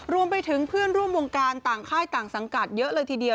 รวมไปถึงเพื่อนร่วมวงการต่างค่ายต่างสังกัดเยอะเลยทีเดียว